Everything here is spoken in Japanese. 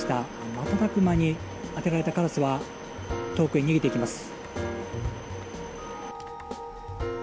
瞬く間に当てられたカラスは遠くへ逃げていきます。